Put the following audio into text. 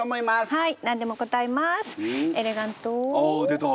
はい。